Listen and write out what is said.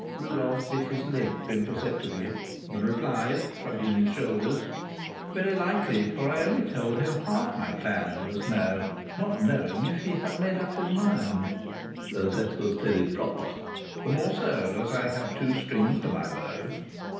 Rodolph bit his lips imperceptibly, and replied, shrugging his shoulders: "Very likely; for I only told him half my plan, you must know, not knowing if he had made up his mind." "That was very proper." "The more so as I had two strings to my bow."